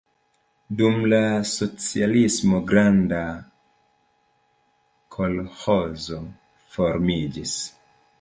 Dum la socialismo granda kolĥozo formiĝis.